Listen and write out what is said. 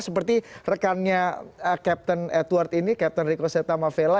seperti rekannya captain edward ini captain rico seta mavella